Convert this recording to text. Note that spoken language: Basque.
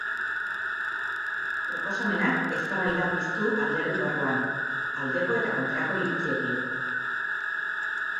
Proposamenak eztabaida piztu alderdi barruan, aldeko eta kontrako iritziekin.